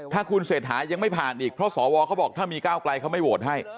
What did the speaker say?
ถ้าคุณเศรษฐายังไม่ผ่านอีกเพราะสวเขาบอกถ้ามีก้าวไกลเขาไม่โหวตให้